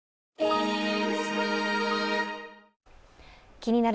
「気になる！